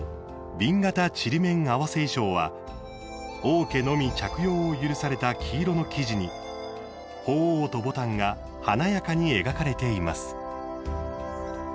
紅型縮緬袷衣装」は、王家のみ着用を許された黄色の生地にほうおうとぼたんが華やかに描かれています。